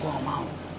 gue gak mau